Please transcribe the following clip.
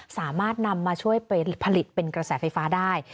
สามารถนำมาช่วยไปผลิตเป็นกระแสไฟฟ้าได้